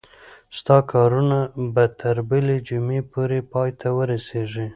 ستا کارونه به تر بلې جمعې پورې پای ته ورسیږي.